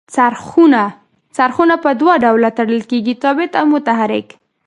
څرخونه په دوه ډوله تړل کیږي ثابت او متحرک.